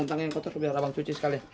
abang kasih air buat nya dulu